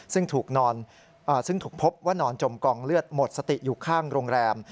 ซึ่งถูกพบว่านอนจมกองเลือดหมดสติอยู่ข้างโรงแรม